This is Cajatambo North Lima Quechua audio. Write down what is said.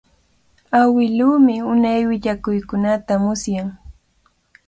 Awiluumi unay willakuykunata musyan.